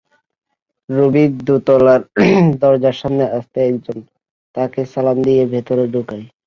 Ruby দোতলার দরজার সামনে আসলে একজন তাঁকে সালাম দিয়ে ভেতরে ঢোকায়।